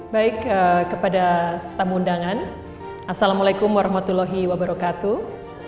baik kepada tamu undangan assalamualaikum warahmatullahi wabarakatuh